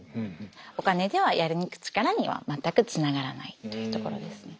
お金ではやり抜く力には全くつながらないというところですね。